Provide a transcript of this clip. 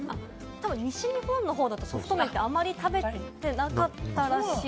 西日本の方だとソフトメンってあんまり食べてなかったらしい。